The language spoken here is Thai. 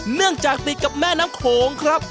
เนื่องจากติดกับแม่น้ำโขงครับ